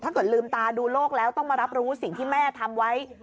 ลืมตาดูโลกแล้วต้องมารับรู้สิ่งที่แม่ทำไว้